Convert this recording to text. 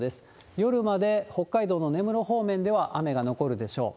夜まで、北海道の根室方面では雨が残るでしょう。